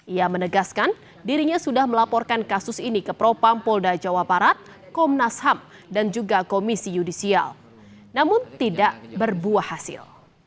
ia menegaskan dirinya sudah melaporkan kasus ini ke propam polda jawa barat komnas ham dan juga komisi yudisial namun tidak berbuah hasil